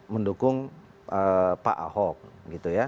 mendukung pak ahok gitu ya